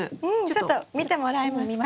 ちょっと見てもらえますか？